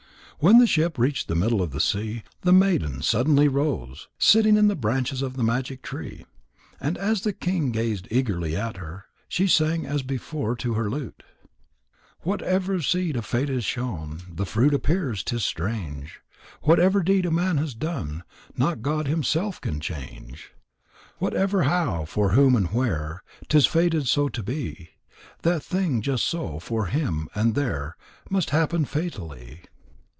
When the ship reached the middle of the sea, the maiden suddenly arose, sitting in the branches of the magic tree. And as the king gazed eagerly at her, she sang as before to her lute: Whatever seed of fate is sown The fruit appears 'tis strange! Whatever deed a man has done, Not God himself can change. Whatever, how, for whom, and where 'Tis fated so to be, That thing, just so, for him, and there Must happen fatally.